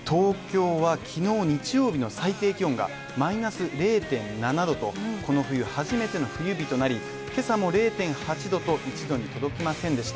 きのう日曜日の最低気温がマイナス０．７度とこの冬初めての冬日となり、今朝も０．８℃と、１度に届きませんでした。